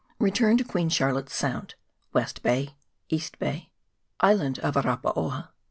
Return to Queen Charlotte's Sound. West Bay. East Bay. Island of Arapaoa.